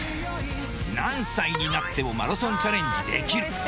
何歳になってもマラソンチャレンジできる。